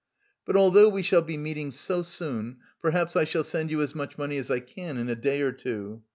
But although we shall be meeting so soon, perhaps I shall send you as much money as I can in a day or two.